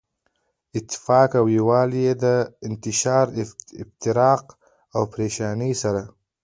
اتفاق او يو والی ئي په انتشار، افتراق او پريشانۍ سره